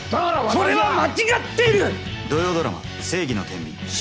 それは間違っている！